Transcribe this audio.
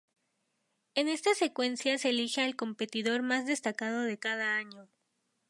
En esta secuencia se elige al competidor más destacado de cada año.